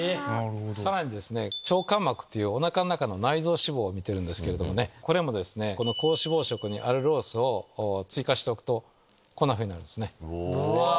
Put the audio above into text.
さらに腸間膜というおなかの中の内臓脂肪を見てるんですけれどこれも高脂肪食にアルロースを追加しておくとこんなふうになるんですね。